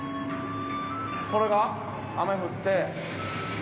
それが雨降って。